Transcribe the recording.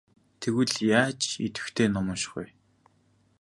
Тэгвэл яаж идэвхтэй ном унших вэ?